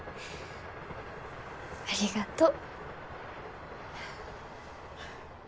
ありがとう。